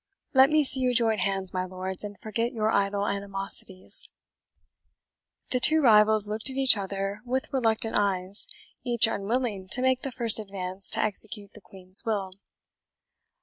Let me see you join hands, my lords, and forget your idle animosities." The two rivals looked at each other with reluctant eyes, each unwilling to make the first advance to execute the Queen's will.